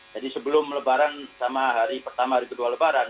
jadi sebelum lebaran sama hari pertama hari kedua lebaran